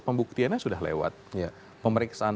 pembuktiannya sudah lewat pemeriksaan